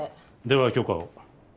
では許可を。